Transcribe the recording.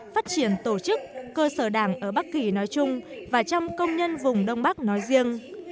phát triển tổ chức cơ sở đảng ở bắc kỳ nói chung và trong công nhân vùng đông bắc nói riêng